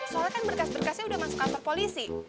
soalnya kan berkas berkasnya udah masuk kantor polisi